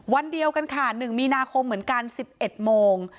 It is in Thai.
วันเดียวกันค่ะ๑มีนาคมเหมือนกัน๑๑โมง